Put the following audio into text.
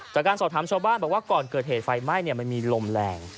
จากการสอบถามชาวบ้านบอกว่าก่อนเกิดเหตุไฟไหม้มันมีลมแรง